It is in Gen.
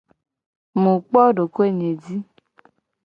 Mu kpo dokoe nye ji.